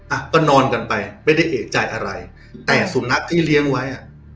อ่ะก็นอนกันไปไม่ได้เอกใจอะไรแต่สุนัขที่เลี้ยงไว้อ่ะ